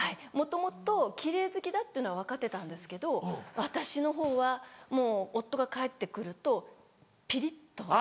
もともと奇麗好きだっていうのは分かってたんですけど私のほうはもう夫が帰って来るとピリっと。